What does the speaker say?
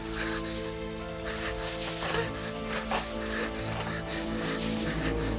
tapi kenapa gak tumpah ya